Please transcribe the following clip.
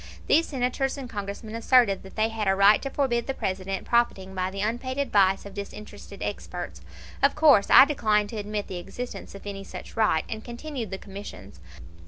These Senators and Congressmen asserted that they had a right to forbid the President profiting by the unpaid advice of disinterested experts. Of course I declined to admit the existence of any such right, and continued the Commissions.